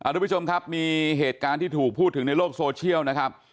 ทุกผู้ชมครับมีเหตุการณ์ที่ถูกพูดถึงในโลกโซเชียลนะครับ